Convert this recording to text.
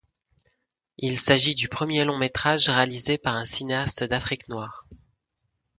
Il s'agit du premier long métrage réalisé par un cinéaste d'Afrique noire.